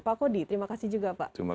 pak kody terima kasih juga sudah bersama kami